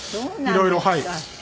いろいろはい。